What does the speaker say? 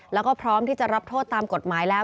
แล้วก็พร้อมที่จะรับโทษตามกฎหมายแล้ว